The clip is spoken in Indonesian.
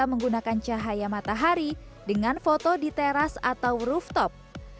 menggunakan cahaya matahari dengan foto di teras atau rooftop